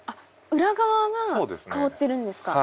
裏側が香ってるんですか？